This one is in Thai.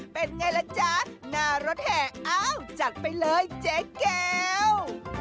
เป็นอย่างไรล่ะจ๊ะหน้ารถแห่เอาจัดไปเลยเจ๊แก้ว